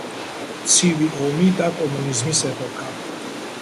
ცივი ომი და კომუნიზმის ეპოქა.